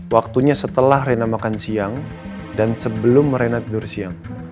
waktunya setelah rena makan siang dan sebelum renat tidur siang